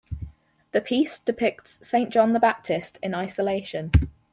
The piece depicts Saint John the Baptist in isolation.